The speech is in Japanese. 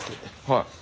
はい。